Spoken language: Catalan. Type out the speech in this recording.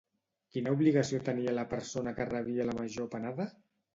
Quina obligació tenia la persona que rebia la major panada?